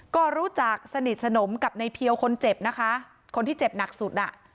ก็รู้จักสนิทสนมกับในเพียวคนเจ็บนะคะคนที่เจ็บหนักสุดอ่ะ